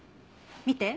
見て。